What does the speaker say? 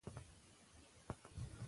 کرکه د زړه لپاره زهرجن احساس دی.